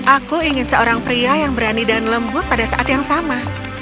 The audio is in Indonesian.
aku ingin seorang pria yang berani dan lembut pada saat yang sama